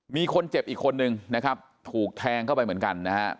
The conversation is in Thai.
มีคนเจ็บอีกคนนึงนะครับถูกแทงเข้าไปเหมือนกันนะฮะ